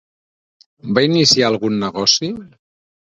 Va iniciar algun negoci?